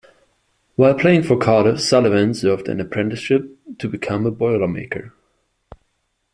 While playing for Cardiff, Sullivan served an apprenticeship to become a boilermaker.